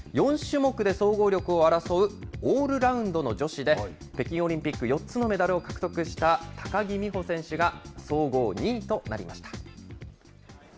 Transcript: ４種目で総合力を争うオールラウンドの女子で、北京オリンピック４つのメダルを獲得した高木美帆選手が総合２位となりました。